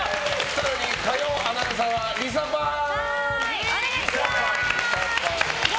更に火曜アナウンサーはリサパン！